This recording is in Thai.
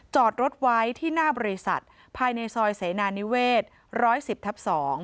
จอดรถไว้ที่หน้าบริษัทภายในซอยเสนานิเวศ๑๑๐ทับ๒